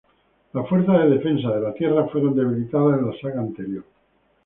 Las fuerzas de defensa de la tierra fueron debilitadas en la saga anterior.